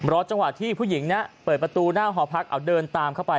รอดจังหวะที่ผู้หญิงเปิดประตูหน้าหอพักเดินตามเข้าไป